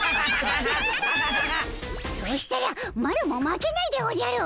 そしたらマロも負けないでおじゃる！